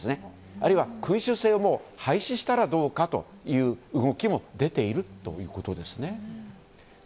あるいは君主制をもう廃止したらどうかという動きも出ているということですね。